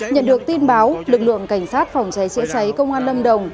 nhận được tin báo lực lượng cảnh sát phòng cháy chữa cháy công an lâm đồng